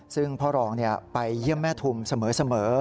ซึ่งพ่อรองไปเยี่ยมแม่ทุมเสมอ